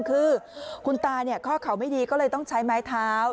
คือคุณตาข้อเขาไม่ดีก็เลยต้องใช้ไม้เท้า